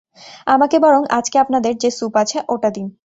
আমাকে বরং আজকে আপনাদের যে স্যুপ আছে ওটা দিন।